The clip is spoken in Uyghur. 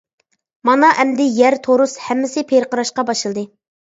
مانا ئەمدى يەر، تورۇس ھەممىسى پىرقىراشقا باشلىدى.